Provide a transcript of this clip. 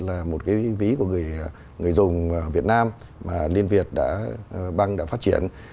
là một cái ví của người dùng việt nam mà liên việt đã băng đã phát triển